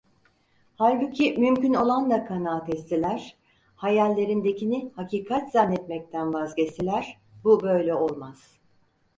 Halbuki mümkün olanla kanaat etseler, hayallerindekini hakikat zannetmekten vazgeçseler bu böyle olmaz.